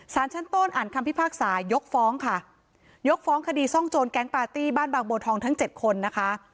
สารชั้นต้นอ่านคำพิพากษายกฟ้องค่ะยกฟ้องคดีซ่องโจรแก๊งปาร์ตี้บ้านบางบัวทองทั้งเจ็ดคนนะคะ